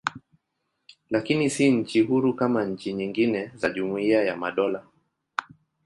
Lakini si nchi huru kama nchi nyingine za Jumuiya ya Madola.